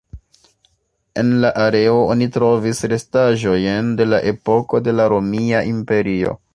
En la areo oni trovis restaĵojn de la epoko de la Romia Imperio.